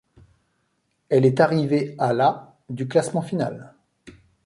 Elle est arrivée à la du classement final.